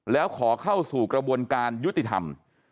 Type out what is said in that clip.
แล้วขอเข้าสู่กระบวนการยุติธรรม